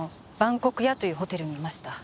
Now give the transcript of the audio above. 国屋というホテルにいました。